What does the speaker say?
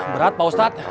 berat pak ustad